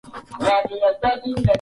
Vikosi vya usalama nchini Nigeria